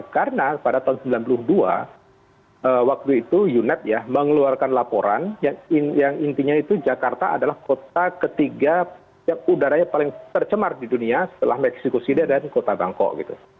karena pada tahun seribu sembilan ratus sembilan puluh dua waktu itu uned ya mengeluarkan laporan yang intinya itu jakarta adalah kota ketiga yang udaranya paling tercemar di dunia setelah mexico city dan kota bangkok gitu